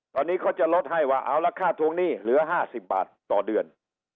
ตอนนี้เขาจะลดให้ว่าเอาละค่าทวงหนี้เหลือ๕๐บาทต่อเดือน